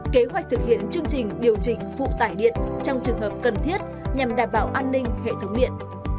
kế hoạch thực hiện chương trình điều chỉnh phụ tải điện trong trường hợp cần thiết nhằm đảm bảo an ninh hệ thống điện